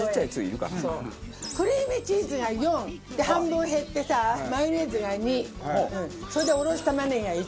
クリームチーズが４半分減ってさマヨネーズが２それでおろし玉ねぎが１。